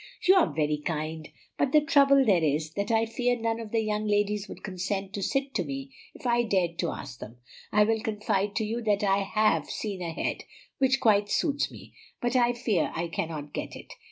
"You are very kind; but the trouble there is, that I fear none of the young ladies would consent to sit to me if I dared to ask them. I will confide to you that I HAVE seen a head which quite suits me; but I fear I cannot get it.